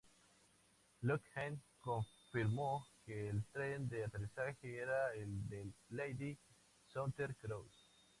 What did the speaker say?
Lockheed confirmó que el tren de aterrizaje era el del "Lady Southern Cross".